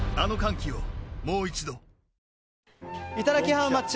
ハウマッチ。